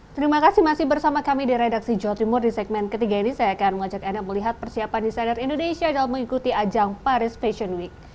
terima kasih masih bersama kami di redaksi jawa timur di segmen ketiga ini saya akan mengajak anda melihat persiapan desainer indonesia dalam mengikuti ajang paris fashion week